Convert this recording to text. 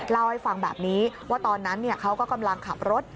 เล่าให้ฟังแบบนี้ว่าตอนนั้นเขาก็กำลังขับรถ